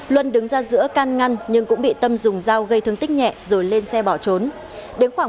luân đứng ra giữa can ngăn nhưng cũng bị tâm dùng dao gây thương tích nhẹ rồi lên xe bỏ trốn